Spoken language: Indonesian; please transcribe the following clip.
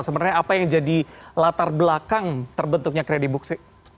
sebenarnya apa yang jadi latar belakang terbentuknya kredibook sih